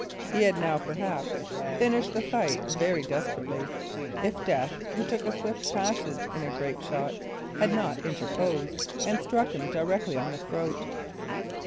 He had now, perhaps, finished the fight very desperately, if death, who took a swift passage in a grape shot, had not interposed, and struck him directly on the throat.